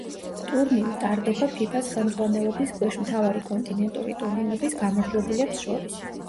ტურნირი ტარდება ფიფა-ს ხელმძღვანელობის ქვეშ მთავარი კონტინენტური ტურნირების გამარჯვებულებს შორის.